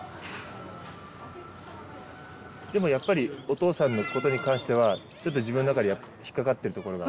でもやっぱりお父さんのことに関してはちょっと自分の中で引っ掛かってるところが？